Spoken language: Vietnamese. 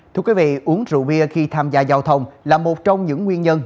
thưa quý vị uống rượu bia khi tham gia giao thông là một trong những nguyên nhân